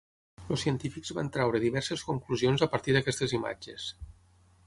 Els científics van treure diverses conclusions a partir d'aquestes imatges.